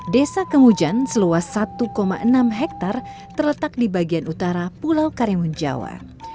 desa kemujan seluas satu enam hektare terletak di bagian utara pulau karimun jawa